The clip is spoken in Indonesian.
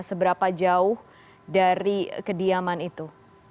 seberapa jauh dari kediaman itu